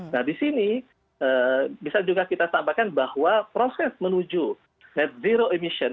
nah di sini bisa juga kita tambahkan bahwa proses menuju net zero emission